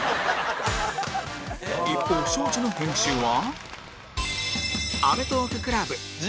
一方庄司の編集は？